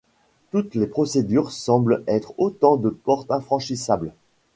Toutes les procédures semblent être autant de portes infranchissables.